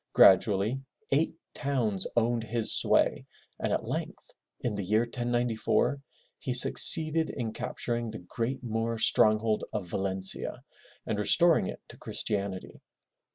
Gradually eight towns owned his sway and at length, in the year 1094, he succeeded in capturing the great Moorish stronghold of Va len'ci a and restoring it to Christianity.